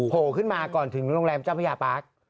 โผล่ขึ้นมาก่อนถึงโรงแรมเจ้าพญาปาร์ค